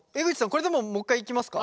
これでももう一回いきますか？